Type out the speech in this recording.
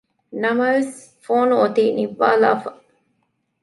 ނަމަވެސް ފޯނު އޮތީ ނިއްވާލާފަ